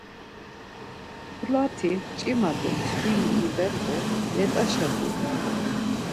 Mpulati mç̌ima do mtviri iven do let̆aşa gyulun.